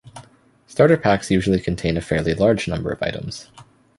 Starter packs usually contain a fairly large number of items.